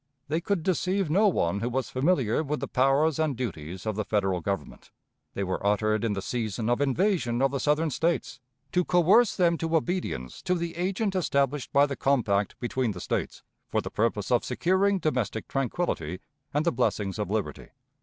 They could deceive no one who was familiar with the powers and duties of the Federal Government; they were uttered in the season of invasion of the Southern States, to coerce them to obedience to the agent established by the compact between the States, for the purpose of securing domestic tranquillity and the blessings of liberty.